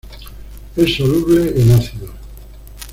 Es soluble en ácidos.